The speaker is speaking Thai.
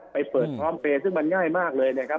ไปเปิดพร้อมเปย์ซึ่งมันง่ายมากเลยนะครับ